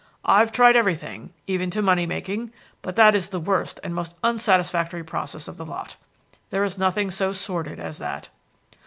I've tried everything, even to money making, but that is the worst and most unsatisfactory process of the lot. There is nothing so sordid as that."